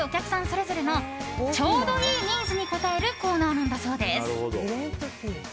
それぞれのちょうどいいニーズに応えるコーナーなんだそうです。